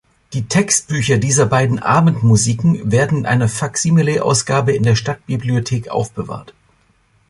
Die Textbücher dieser beiden Abendmusiken werden in einer Faksimileausgabe in der Stadtbibliothek aufbewahrt.